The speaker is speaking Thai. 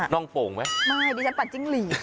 ่องโป่งไหมไม่ดิฉันปัดจิ้งหลีด